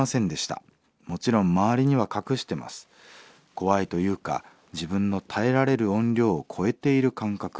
怖いというか自分の耐えられる音量を超えている感覚。